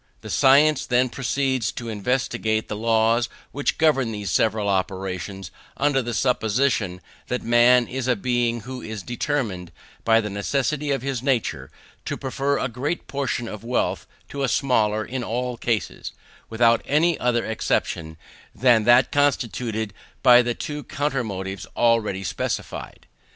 The science then proceeds to investigate the laws which govern these several operations, under the supposition that man is a being who is determined, by the necessity of his nature, to prefer a greater portion of wealth to a smaller in all cases, without any other exception than that constituted by the two counter motives already specified.